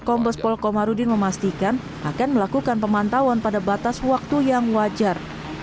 kompes polkomarudin memastikan akan melakukan pemantauan pada batas waktu yang wajar